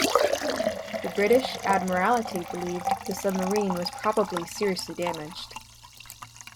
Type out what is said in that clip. The British Admiralty believed the submarine was probably seriously damaged.